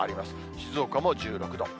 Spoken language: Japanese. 静岡も１６度。